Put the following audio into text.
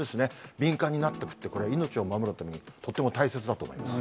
敏感になっておくって、命を守るためにとっても大切だと思います。